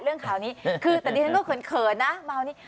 เรื่องข่าวนี้คือแต่ดิฉันก็เขินนะมาวันนี้